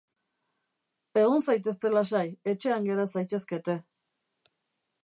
Egon zaitezte lasai, etxean gera zaitezkete.